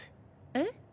えっ？